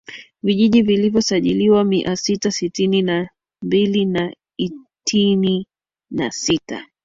Vijiji vilivyosajiliwa miasita sitini na mbili na itini na sita